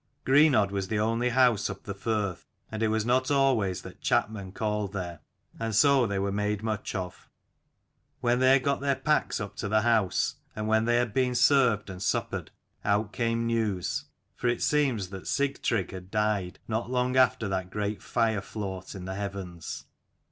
Greenodd was the only house up the firth, and it was not always that chapmen called there ; and so they were made much of. When they had got their packs up to the house, and when they had been served and suppered, out came news. For it seems that Sigtrygg had died, not long after that great fire flaught in the heavens.